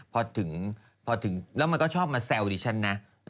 พอถึงพอถึงแล้วมันก็ชอบมาแซวดิฉันนะ